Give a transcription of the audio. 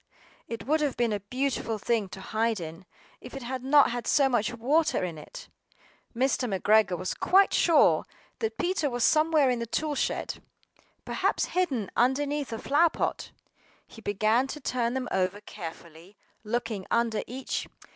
It would have been a beautiful thing to hide in, if it had not had so much water in it. MR. McGREGOR was quite sure that Peter was somewhere in the toolshed, perhaps hidden underneath a flower pot. He began to turn them over carefully, looking under each.